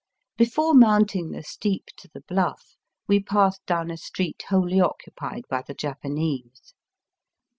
Before mounting the steep to the Bluff we passed down a street wholly occupied by the Japanese.